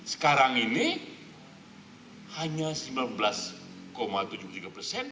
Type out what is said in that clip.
sekarang ini hanya sembilan belas tujuh puluh tiga persen